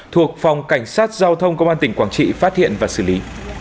thuộc phòng cảnh sát giao thông công an tỉnh quảng trị phát hiện và xử lý